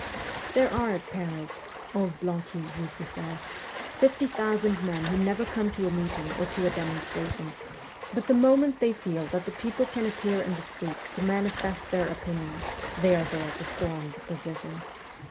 ' There are at Paris,' old Blanqui used to say, ' fifty thousand men who never come to a meeting or to a demonstra tion ; but the moment they feel that the people can appear in the streets to manifest their opinion, they are there to storm the position.'